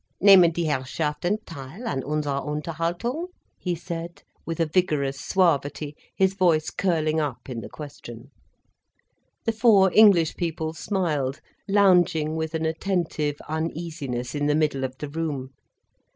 "Nehmen die Herrschaften teil an unserer Unterhaltung?" he said, with a vigorous suavity, his voice curling up in the question. The four English people smiled, lounging with an attentive uneasiness in the middle of the room.